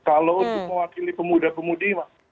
kalau untuk mewakili pemuda pemudi